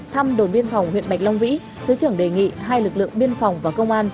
thăm đồn biên phòng huyện bạch long vĩ thứ trưởng đề nghị hai lực lượng biên phòng và công an